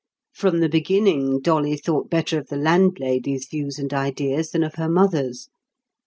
From the beginning, Dolly thought better of the landlady's views and ideas than of her mother's.